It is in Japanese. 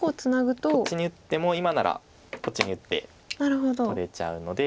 こっちに打っても今ならこっちに打って取れちゃうので。